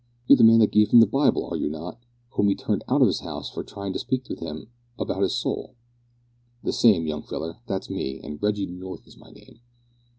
You're the man that gave him the Bible, are you not, whom he turned out of his house for tryin' to speak to him about his soul?" "The same, young feller. That's me, an' Reggie North is my name.